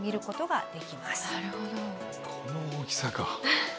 この大きさか。